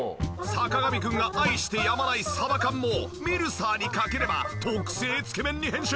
坂上くんが愛してやまないサバ缶もミルサーにかければ特製つけ麺に変身！